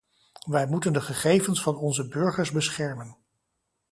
Wij moeten de gegevens van onze burgers beschermen.